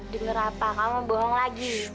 denger apa kamu bohong lagi